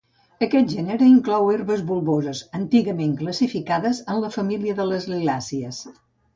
Aquest gènere inclou herbes bulboses antigament classificades en la família de les liliàcies.